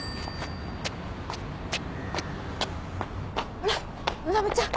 ほらのだめちゃん。